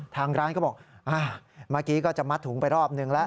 ทางร้านก็บอกเมื่อกี้ก็จะมัดถุงไปรอบนึงแล้ว